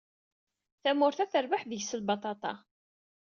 Tamurt-a terbeḥ deg-s lbaṭaṭa.